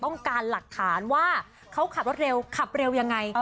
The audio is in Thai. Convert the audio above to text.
ต้องการหลักฐานว่าเขาขับรถเร็วขับเร็วยังไง